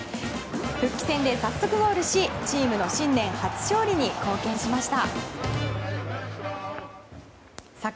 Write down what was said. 復帰戦で早速ゴールしチームの新年初勝利に貢献しました。